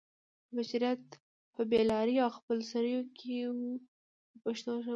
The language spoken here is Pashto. بشریت په بې لارۍ او خپل سرویو کې و په پښتو ژبه.